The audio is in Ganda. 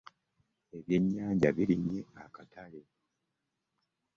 Ebyenyanja birinye akatale.